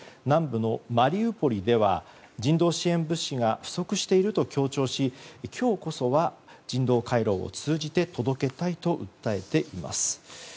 南部のマリウポリでは人道支援物資が不足していると強調し今日こそは人道回廊を通じて届けたいと訴えています。